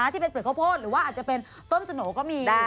ที่เป็นเปลือกข้าวโพดหรือว่าอาจจะเป็นต้นสโหน่ก็มี